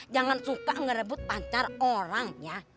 jangan suka ngerebut pancar orang ya